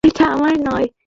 এটা আমার নাম নয়।